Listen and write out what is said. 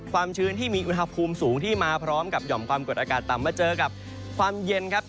ชื้นที่มีอุณหภูมิสูงที่มาพร้อมกับห่อมความกดอากาศต่ำมาเจอกับความเย็นครับ